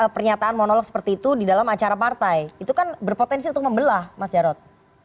pernyataan monolog seperti itu di dalam acara partai itu kan berpotensi untuk membelah mas jarod